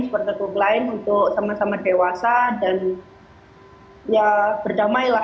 supporter klub lain untuk sama sama dewasa dan ya berdamai lah